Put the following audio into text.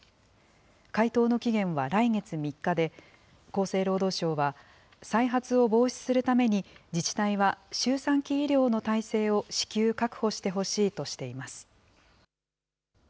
回答の期限は来月３日で、厚生労働省は、再発を防止するために、自治体は周産期医療の体制を至急確保してほしいとしています。